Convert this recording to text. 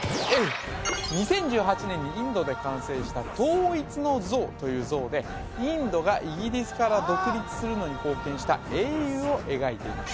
２０１８年にインドで完成した「統一の像」という像でインドがイギリスから独立するのに貢献した英雄を描いています